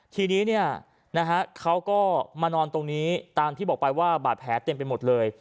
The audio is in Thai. ทีนี้เนี่ยนะฮะเขาก็มานอนตรงนี้ตามที่บอกไปว่าบาดแผลเต็มไปหมดเลย